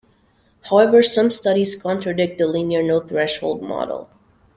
However, some studies contradict the linear no-threshold model.